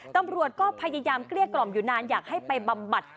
ตำรวจก็พยายามเกลี้ยกล่อมอยู่นานอยากให้ไปบำบัด